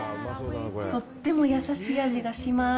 とっても優しい味がします。